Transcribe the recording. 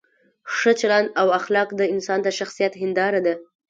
ښه چلند او اخلاق د انسان د شخصیت هنداره ده.